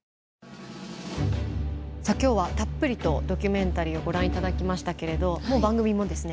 さあ今日はたっぷりとドキュメンタリーをご覧いただきましたけれど番組もですね